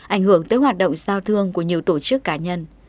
ảnh hưởng tới hoạt động giao thương của nhiều tổ chức cá nhân